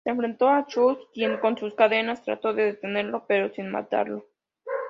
Se enfrentó a Shun, quien con sus cadenas trató de detenerlo pero sin matarlo.